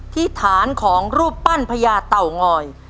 ที่ฐานของรูปปั้นพญาเต่างอย